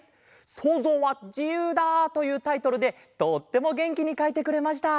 「そうぞうはじゆうだ！」というタイトルでとってもげんきにかいてくれました。